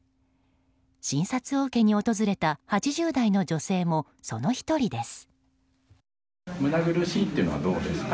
診察を受けに訪れた８０代の女性もその１人です。